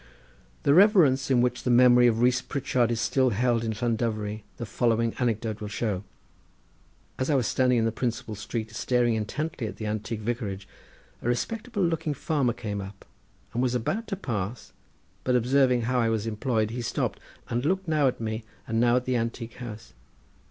The reverence in which the memory of Rees Pritchard is still held in Llandovery the following anecdote will show. As I was standing in the principal street staring intently at the antique vicarage, a respectable looking farmer came up and was about to pass, but observing how I was employed he stopped, and looked now at me and now at the antique house.